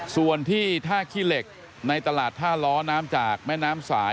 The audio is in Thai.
ส่วนที่ท่าขี้เหล็กในตลาดท่าล้อน้ำจากแม่น้ำสาย